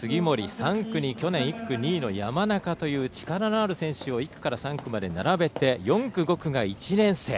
３区に去年１位、２位の山中という力のある選手を１区から３区まで並べて４区、５区が１年生。